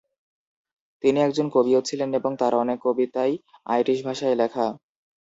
তিনি একজন কবিও ছিলেন এবং তার অনেক কবিতাই আইরিশ ভাষায় লেখা।